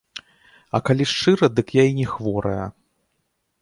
А, калі шчыра, дык я і не хворая.